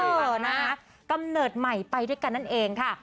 เกมเนิดใหม่ไปด้วยกันนั่นเองค่ะ